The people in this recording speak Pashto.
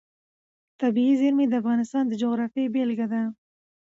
طبیعي زیرمې د افغانستان د جغرافیې بېلګه ده.